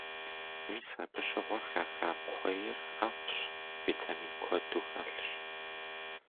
Мис абы щыгъуэ хаха кхъуейр ӏэфӏщ, витамин куэду хэлъщ.